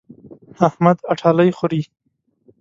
احمد اټالۍ خوري.